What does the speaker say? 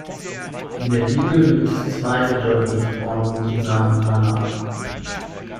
In der Bibel gibt es zwei bedeutende Frauen mit dem Namen Hannah.